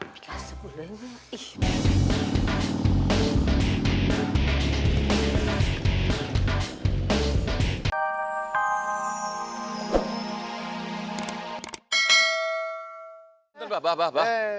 kita sebelumnya ih